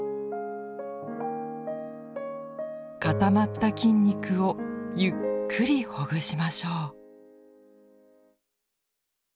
固まった筋肉をゆっくりほぐしましょう。